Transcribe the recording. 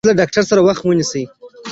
تاسو له ډاکټر سره وخت ونيسي